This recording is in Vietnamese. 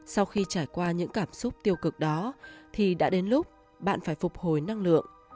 sau khi trải qua những cảm xúc tiêu cực đó thì đã đến lúc bạn phải phục hồi năng lượng